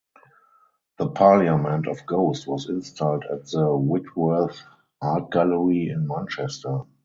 The parliament of ghost was installed at the Whitworth Art gallery in Manchester.